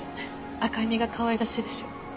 赤い実がかわいらしいでしょう？